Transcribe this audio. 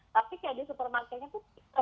tapi kayak dia supermarketnya tuh